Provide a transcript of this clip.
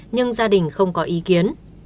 nhưng gia đình không có ý kiến